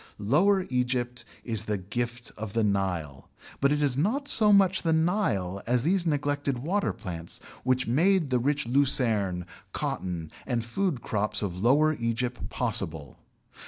Lower Egypt is the gift of the Nile, but it is not so much the Nile as these neglected water plants which made the rich lucerne, cotton, and food crops of Lower Egypt possible.